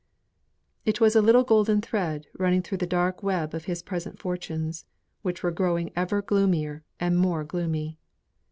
It was a little golden thread running through the dark web of his present fortunes; which were growing ever gloomier and more gloomy.